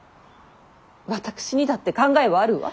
私にだって考えはあるわ。